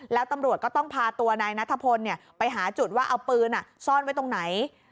แล้วตำรวจก็ต้องพาตัวนายนัทพลไปหาจุดว่าเอาปืนซ่อนไว้ตรงไหน